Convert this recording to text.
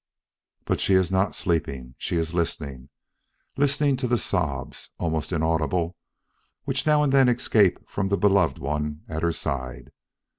But she is not sleeping; she is listening listening to the sobs, almost inaudible, which now and then escape from the beloved one at her side.